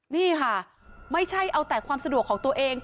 นี่ค่ะไม่ใช่เอาแต่ความสะดวกของตัวเอง